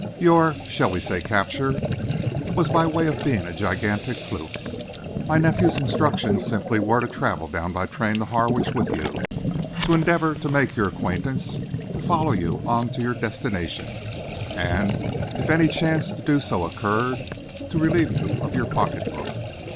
Your shall we say capture, was by way of being a gigantic fluke. My nephew's instructions simply were to travel down by the train to Harwich with you, to endeavour to make your acquaintance, to follow you on to your destination, and, if any chance to do so occurred, to relieve you of your pocket book.